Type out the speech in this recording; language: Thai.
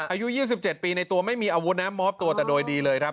อายุ๒๗ปีในตัวไม่มีอาวุธนะมอบตัวแต่โดยดีเลยครับ